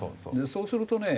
そうするとね。